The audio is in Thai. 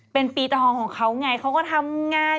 เป็นปีทองของเขาไงเขาก็ทำงาน